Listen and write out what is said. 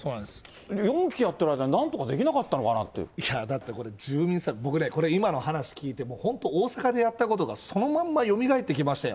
４期やってる間になんとかで僕ね、これ今の話聞いて、本当、大阪でやったことがそのまんまよみがえってきましたよ。